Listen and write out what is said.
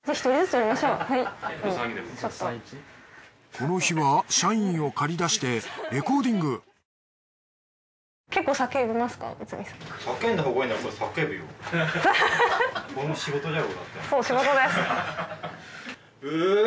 この日は社員を駆り出してレコーディングそう仕事です。